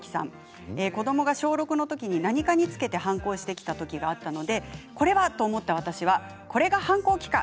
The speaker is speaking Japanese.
子どもが小６のときに何かにつけて反抗してきたときがあったので、これはと思った私はこれが反抗期か！